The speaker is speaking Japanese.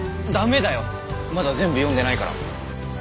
駄目だよまだ全部読んでないから。